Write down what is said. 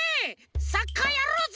サッカーやろうぜ！